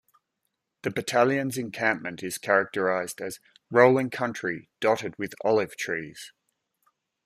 The battalion's encampment is characterised as "rolling country dotted with olive trees".